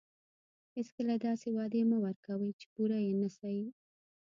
هیڅکله داسې وعدې مه ورکوئ چې پوره یې نه شئ.